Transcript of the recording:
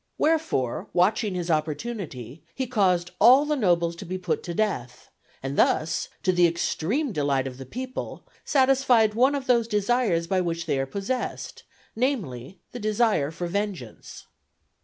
Wherefore, watching his opportunity, he caused all the nobles to be put to death, and thus, to the extreme delight of the people, satisfied one of those desires by which they are possessed, namely, the desire for vengeance.